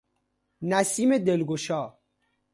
نسیم دلگشا